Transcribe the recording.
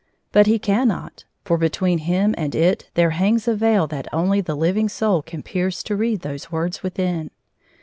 But he cannot, for between him and it there hangs a veil that only the living soul can pierce to read those words within.